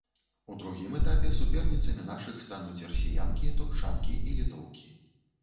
У другім этапе суперніцамі нашых стануць расіянкі, турчанкі і літоўкі.